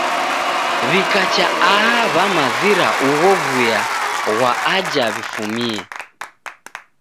W'ikacha aha w'amazira ugho w'uya ghwa aja w'ifumie.